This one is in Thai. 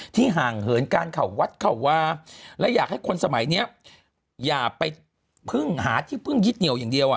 ห่างเหินการเข่าวัดเขาวาและอยากให้คนสมัยนี้อย่าไปพึ่งหาที่พึ่งยึดเหนียวอย่างเดียว